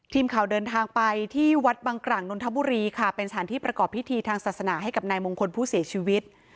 ทีมข่าวเดินทางไปที่วัดบังกร่างนนทบุรีค่ะเป็นสถานที่ประกอบพิธีทางศาสนาให้กับนายมงคลผู้เสียชีวิต